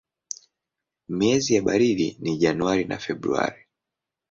Miezi ya baridi ni Januari na Februari.